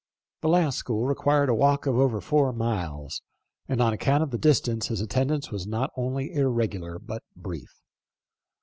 The last school required a walk of over four miles, and on account of the distance his attendance was not only irregular but brief.